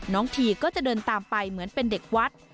ทีก็จะเดินตามไปเหมือนเป็นเด็กวัด